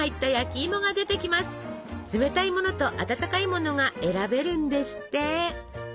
冷たいものと温かいものが選べるんですって！